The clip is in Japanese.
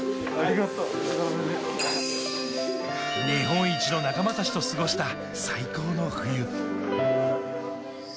日本一の仲間たちと過ごした最高の冬。